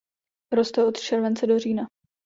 Roste od července do října.